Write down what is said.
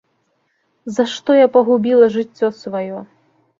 За што я пагубіла жыццё сваё?